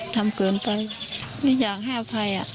ทำเกินไปไม่อยากให้อภัย